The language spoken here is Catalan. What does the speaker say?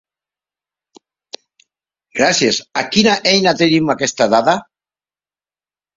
Gràcies a quina eina tenim aquesta dada?